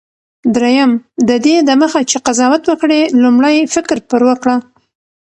دریم: ددې دمخه چي قضاوت وکړې، لومړی فکر پر وکړه.